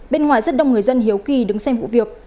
bên ngoài rất đông người dân hiếu kỳ đứng xem vụ việc